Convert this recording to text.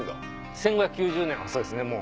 １５９０年はそうですねもう。